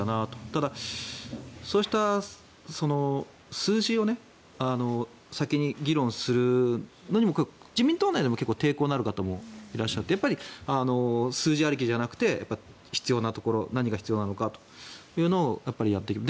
ただ、そうした数字を先に議論するのにも自民党内でも結構抵抗のある方がいらっしゃってやっぱり数字ありきじゃなくて必要なところ何が必要なのかというのをやっていく。